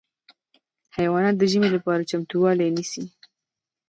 حیوانات د ژمي لپاره چمتووالی نیسي.